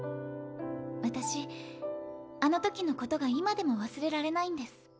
私あのときのことが今でも忘れられないんです。